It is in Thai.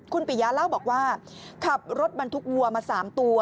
คุณปิยาเล่าบอกว่าขับรถบรรทุกวัวมา๓ตัว